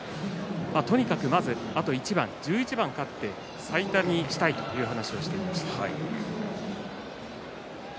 とにかくまずあと一番１１番勝って最多にしたいという話をしていました。